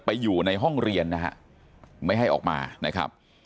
อยู่ในห้องเรียนนะฮะไม่ให้ออกมานะครับ